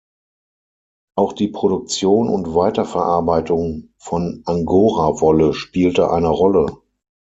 Auch die Produktion und Weiterverarbeitung von Angora-Wolle spielte eine Rolle.